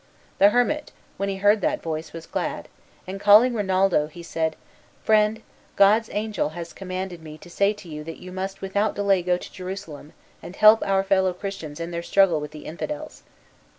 The hermit, when he heard that voice, was glad, and calling Rinaldo, he said, "Friend, God's angel has commanded me to say to you that you must without delay go to Jerusalem, and help our fellow Christians in their struggle with the Infidels."